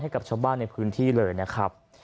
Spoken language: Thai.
ให้กับชาวบ้านในพื้นที่เลยนะครับ